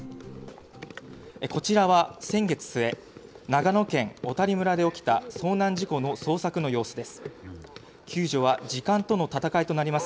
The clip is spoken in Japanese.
こちらは先月末、長野県小谷村で起きた遭難事故の捜索の様子です。